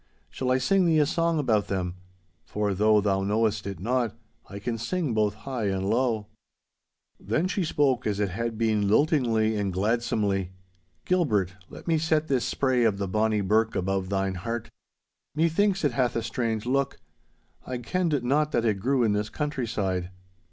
Shall I sing thee a song about them? For, though thou know'st it not, I can sing both high and low.' Then she spoke as it had been liltingly and gladsomely. 'Gilbert, let me set this spray of the bonny birk above thine heart. Methinks it hath a strange look. I kenned not that it grew in this countryside.